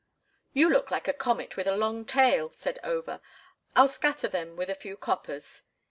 "You look like a comet with a long tail," said Over. "I'll scatter them with a few coppers."